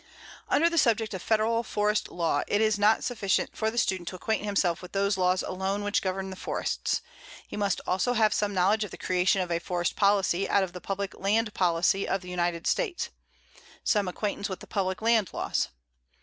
Under the subject of Federal Forest Law, it is not sufficient for the student to acquaint himself with those laws alone which govern the forests. He must also have some knowledge of the creation of a forest policy out of the public land policy of the United States, some acquaintance with the public land laws.